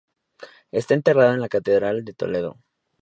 Está enterrado en la Catedral de Toledo.